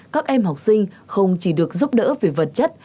các em học sinh không chỉ được giúp đỡ về vật chất